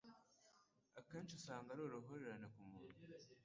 akenshi usanga ari uruhurirane ku muntu.